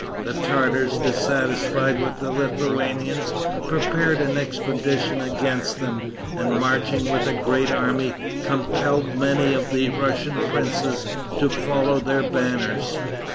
The Tartars, dissatisfied with the Lithuanians, prepared an expedition against them, and marching with a great army, compelled many of the Russian princes to follow their banners.